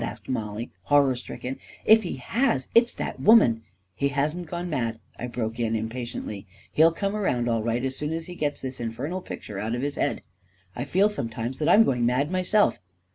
asked Mollie, horror stricken. 4I If he has, it's that woman ..." 44 He hasn't gone mad," I broke in, impatiently; 44 He'll come around all right as soon as he gets this A KING IN BABYLON 287 infernal picture out of his head. I feel sometimes that I'm going mad myself.